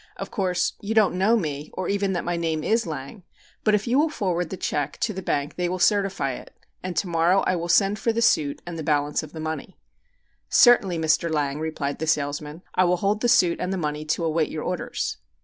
Of course, you don't know me or even that my name is Lang, but if you will forward the check to the bank they will certify it, and to morrow I will send for the suit and the balance of the money." "Certainly, Mr. Lang," replied the salesman. "I will hold the suit and the money to await your orders."